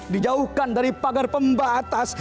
dijauhkan dari pagar pembatas